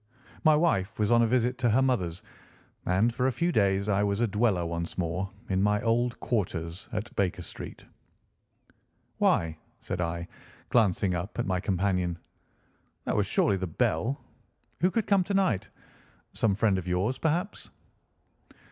My wife was on a visit to her mother's, and for a few days I was a dweller once more in my old quarters at Baker Street. "Why," said I, glancing up at my companion, "that was surely the bell. Who could come to night? Some friend of yours, perhaps?"